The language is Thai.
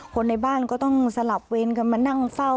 คนในบ้านก็ต้องสลับเวรกันมานั่งเฝ้า